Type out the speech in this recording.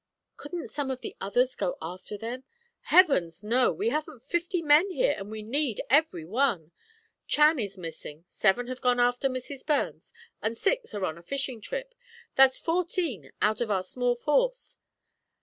"Couldn't some of the others go after them?" "Heavens, no! We haven't fifty men here, and we need every one. Chan is missing, seven have gone after Mrs. Burns, and six are on a fishing trip that's fourteen out of our small force.